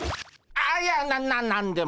あっいやな何でも。